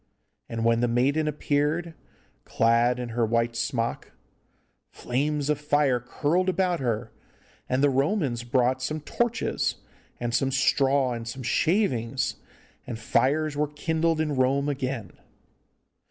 And when the maiden appeared, clad in her white smock, flames of fire curled about her, and the Romans brought some torches, and some straw, and some shavings, and fires were kindled in Rome again.